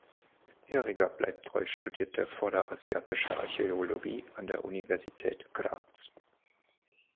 Erika Bleibtreu studierte Vorderasiatische Archäologie an der Universität Graz.